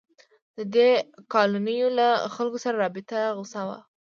د دې کالونیو له خلکو سره رابطه غوڅه وه.